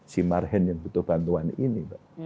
si marhen yang butuh bantuan ini